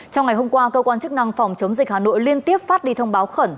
trong ngày hôm qua cơ quan chức năng phòng chống dịch hà nội liên tiếp phát đi thông báo khẩn